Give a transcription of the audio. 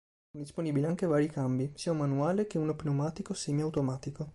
Sono disponibili anche vari cambi, sia un manuale che uno pneumatico semi-automatico.